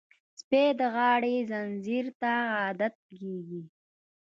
سپي د غاړې زنځیر ته عادت کېږي.